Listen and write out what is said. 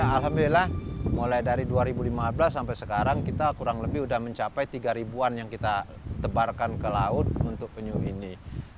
alhamdulillah mulai dari dua ribu lima belas sampai sekarang kita kurang lebih sudah mencapai tiga ribuan yang kita tebarkan ke laut untuk penyu ini